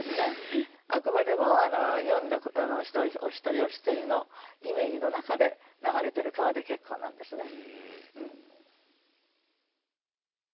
あくまでも読んだお一人お一人のイメージの中で流れてる川で結構なんですね。